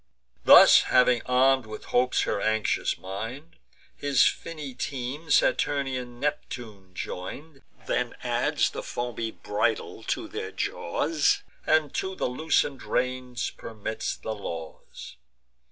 Thus having arm'd with hopes her anxious mind, His finny team Saturnian Neptune join'd, Then adds the foamy bridle to their jaws, And to the loosen'd reins permits the laws.